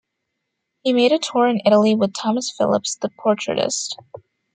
He made a tour in Italy with Thomas Phillips, the portraitist.